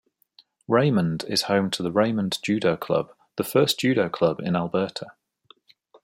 Raymond is home to the Raymond Judo Club, the first Judo club in Alberta.